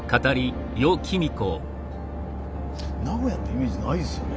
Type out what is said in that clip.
名古屋ってイメージないですよね。